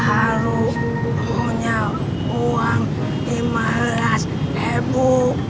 haru punya uang rp lima belas ribu